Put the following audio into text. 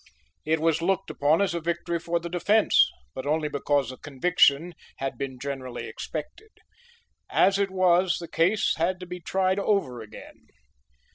It was looked upon as a victory for the defence, but only because a conviction had been generally expected. As it was the case had to be tried over again.